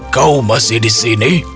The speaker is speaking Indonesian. kau masih di sini